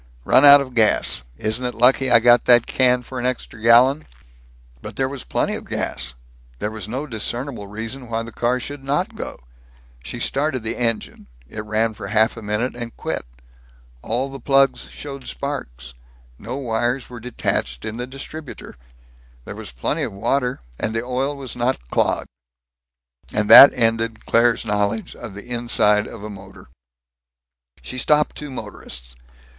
"Run out of gas. Isn't it lucky I got that can for an extra gallon?" But there was plenty of gas. There was no discernible reason why the car should not go. She started the engine. It ran for half a minute and quit. All the plugs showed sparks. No wires were detached in the distributor. There was plenty of water, and the oil was not clogged. And that ended Claire's knowledge of the inside of a motor. She stopped two motorists.